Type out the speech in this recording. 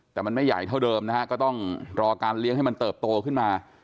แต่มันไม่ใหญ่เท่าเดิมนะฮะก็ต้องรอการเลี้ยงให้มันเติบโตขึ้นมา